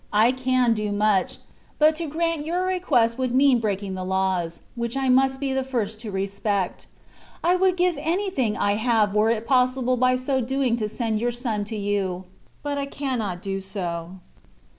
I can do much, but to grant your request would mean breaking the laws, which I must be the first to respect. I would give anything I have were it possible by so doing to send your son to you, but I cannot do so."